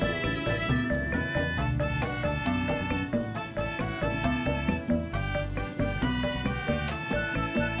kub kalau lo merasak polskor tak bayar bayar spongebob dificer nah